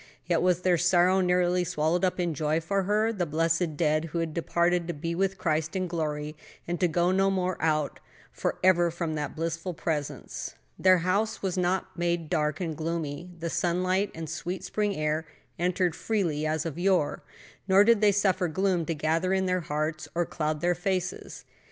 Yet was their sorrow nearly swallowed up in joy for her the blessed dead who had departed to be with Christ in glory and to go no more out forever from that blissful presence. Their house was not made dark and gloomy, the sunlight and sweet spring air entered freely as of yore. Nor did they suffer gloom to gather in their hearts or cloud their faces.